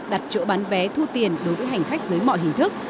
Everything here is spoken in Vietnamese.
đặt chỗ bán vé thu tiền đối với hành khách dưới mọi hình thức